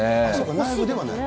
内部ではない？